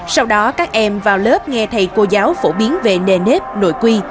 sau đó các em vào lớp nghe thầy cô giáo phổ biến về nề nếp nội quy